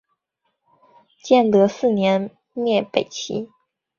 建德四年灭北齐。